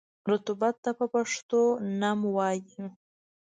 رطوبت ته په پښتو نم وايي.